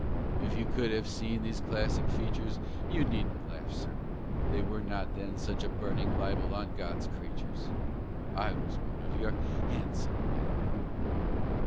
If you could have seen these classic features, You needn't laugh, Sir; they were not then Such a burning libel on God's creatures: I was one of your handsome men!